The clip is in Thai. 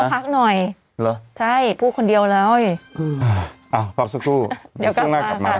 ไปค่ะเอามา